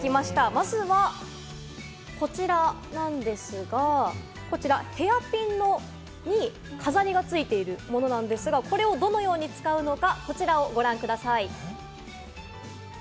まずはこちらなんですが、こちら、ヘアピンに飾りがついているものなんですが、これをどのように使うか、こちらをご覧ください。